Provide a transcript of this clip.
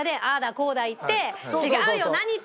こうだ言って「違うよ。何言ってんの？」